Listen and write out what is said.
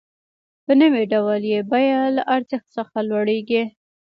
په نوي ډول یې بیه له ارزښت څخه لوړېږي